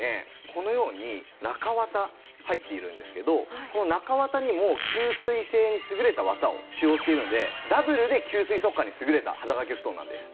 このように中綿入っているんですけどこの中綿にも吸水性に優れた綿を使用しているのでダブルで吸水速乾に優れた肌掛け布団なんです。